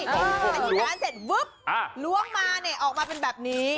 ที่ร้านเสร็จปุ๊บล้วงมาออกมาเป็นแบบนี้